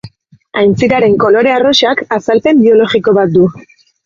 Aintziraren kolore arrosak azalpen biologiko bat du.